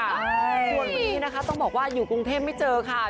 ส่วนคนนี้นะคะต้องบอกว่าอยู่กรุงเทพไม่เจอค่ะ